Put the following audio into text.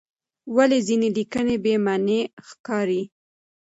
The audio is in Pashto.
ولې ځینې لیکنې بې معنی ښکاري؟